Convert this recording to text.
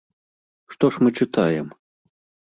Што ж мы чытаем?